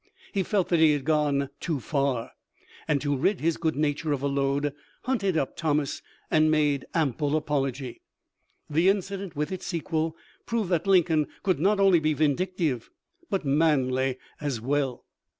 He felt that he had gone too far, and to rid his good nature of a load, hunted up Thomas and made ample apology. The incident and its sequel proved that Lincoln could not only be vindictive but manly as well.